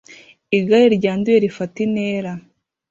Igare ryanduye rifata intera